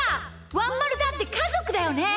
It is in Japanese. ワンまるだってかぞくだよね！